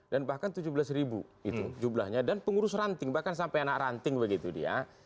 dan bahkan tujuh belas ribu itu jumlahnya dan pengurus ranting bahkan sampai anak ranting begitu dia